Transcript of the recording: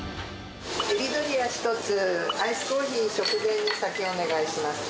エビドリア１つ、アイスコーヒー食前に先お願いします。